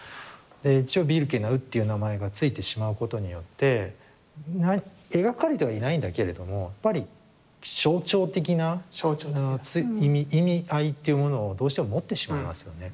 で一応「ビルケナウ」っていう名前が付いてしまうことによって描かれてはいないんだけれどもやっぱり象徴的な意味合いっていうものをどうしても持ってしまいますよね。